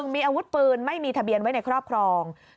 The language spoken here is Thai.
มีอาวุธปืนไม่มีทะเบียนไว้ในครอบครอง